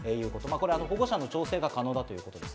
これは保護者の調整が可能だということです。